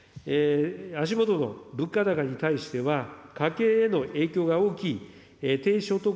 足下の物価高に対しては、家計への影響が大きい低所得